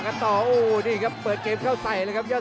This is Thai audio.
กระโดยสิ้งเล็กนี่ออกกันขาสันเหมือนกันครับ